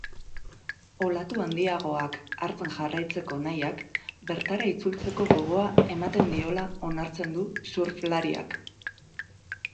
Olatu handiagoak hartzen jarraitzeko nahiak bertara itzultzeko gogoa ematen diola onartzen du surflariak.